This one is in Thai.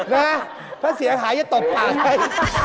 นะถ้าเสียงหายจะตบปากให้